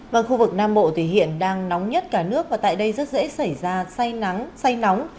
và khu vực nam bộ thì hiện đang nóng nhất cả nước và tại đây rất dễ xảy ra say nắng say nóng